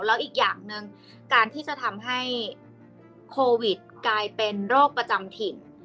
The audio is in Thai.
แล้วอีกอย่างหนึ่งการที่จะทำให้โควิดกลายเป็นโรคประจำถิ่น